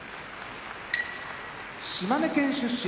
島根県出身